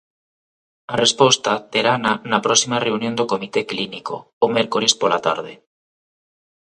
A resposta terana na próxima reunión do comité clínico, o mércores pola tarde.